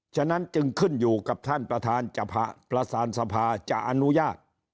ฉะนั้นจึงขึ้นอยู่กับท่านประธานประสานสภาจะอนุญาต